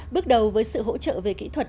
bước đầu với sự hỗ trợ về kỹ thuật